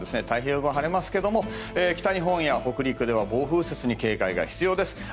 太平洋側は晴れますけれども北日本や北陸では暴風雪に警戒が必要です。